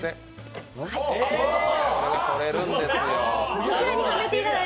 これ取れるんですよ。